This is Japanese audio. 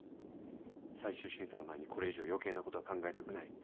最終審査の前にこれ以上余計なことは考えたくない。